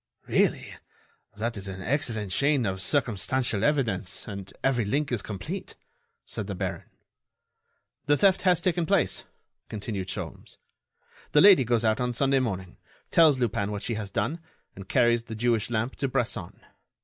"Really, that is an excellent chain of circumstantial evidence and every link is complete," said the baron. "The theft has taken place," continued Sholmes. "The lady goes out on Sunday morning, tells Lupin what she has done, and carries the Jewish lamp to Bresson.